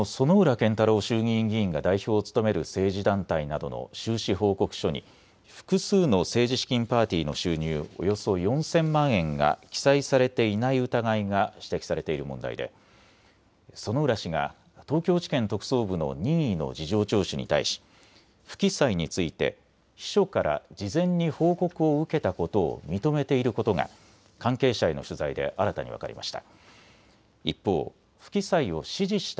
健太郎衆議院議員が代表を務める政治団体などの収支報告書に複数の政治資金パーティーの収入およそ４０００万円が記載されていない疑いが指摘されている問題で薗浦氏が東京地検特捜部の任意の事情聴取に対し不記載について秘書から事前に報告を受けたことを認めていることが関係者への取材で新たに分かりました。